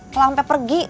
kalau sampai pergi